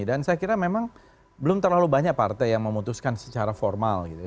saya kira memang belum terlalu banyak partai yang memutuskan secara formal gitu ya